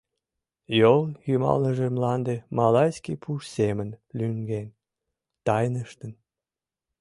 Йол йымалныже мланде малайский пуш семын лӱҥген, тайныштын.